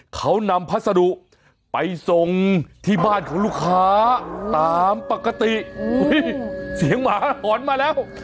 เขานำพัสดุไปส่งที่บ้านของลูกค้าตามปกติเสียงหมาหอนมาแล้ว